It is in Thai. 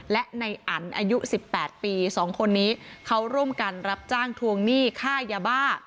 และในอันอายุ๑๘ปี๒คนนี้เขาร่วมกันรับจ้างทวงหนี้ค่ายาบ้า